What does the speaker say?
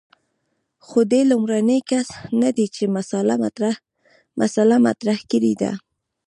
خو دی لومړنی کس نه دی چې مسأله مطرح کړې ده.